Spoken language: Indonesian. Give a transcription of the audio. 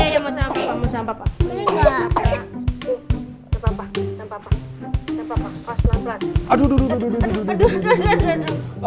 gak apa apa pas pelan pelan